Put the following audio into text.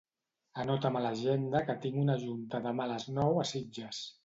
Anota'm a l'agenda que tinc una junta demà a les nou a Sitges.